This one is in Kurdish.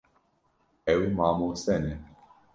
Ew mamoste ne.